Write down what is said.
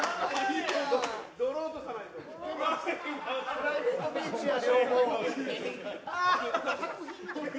プライベートビーチだ。